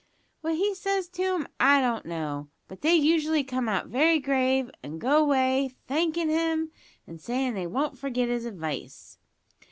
What he says to 'em I don't know, but they usually come out very grave, an go away thankin' him, and sayin' they won't forget his advice.